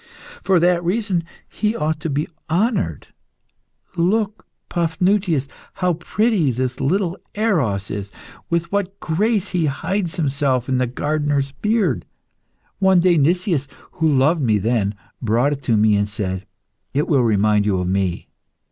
For that reason he ought to be honoured. Look, Paphnutius, how pretty this little Eros is! With what grace he hides himself in the gardener's beard! One day Nicias, who loved me then, brought it to me and said, 'It will remind you of me.